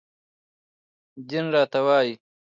دين راته وايي